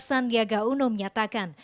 sandiaga uno menyatakan